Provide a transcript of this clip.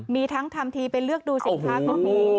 มีทั้งทำทีไปเลือกดูสิคะโอ้โห